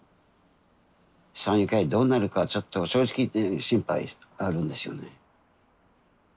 山友会どうなるかはちょっと正直言って心配あるんですよね。